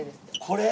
これ？